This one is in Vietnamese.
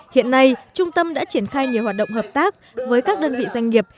hiện nay trung tâm đã triển khai nhiều hoạt động hợp tác với các đơn vị doanh nghiệp